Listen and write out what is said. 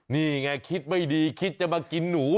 นี่ไงคิดไม่ดีคิดจะมากินหนู